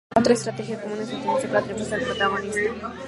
Otra estrategia común es tratar de sacar triunfos al protagonista.